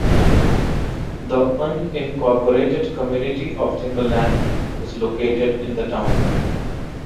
The unincorporated community of Timberland is located in the town.